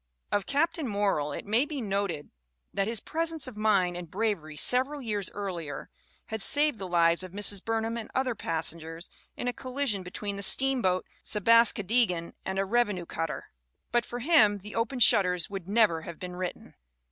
Of Captain Morrill it may be noted that his presence of mind and bravery several years earlier had saved the lives of Mrs. Burnham and other passengers in a collision be tween the steamboat Sebascodegan and a revenue cutter. But for him The Opened Shutters would never have been written.